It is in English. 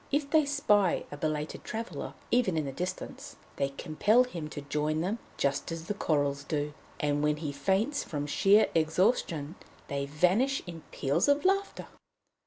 If they spy a belated traveller, even in the distance, they compel him to join them, just as the Courils do; and when he faints from sheer exhaustion they vanish in peals of laughter."